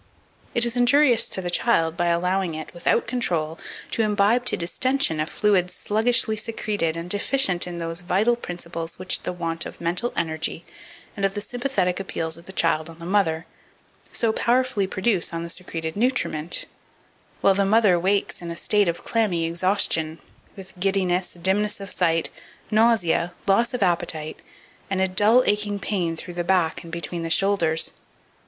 It is injurious to the infant by allowing it, without control, to imbibe to distension a fluid sluggishly secreted and deficient in those vital principles which the want of mental energy, and of the sympathetic appeals of the child on the mother, so powerfully produce on the secreted nutriment, while the mother wakes in a state of clammy exhaustion, with giddiness, dimness of sight, nausea, loss of appetite, and a dull aching pain through the back and between the shoulders.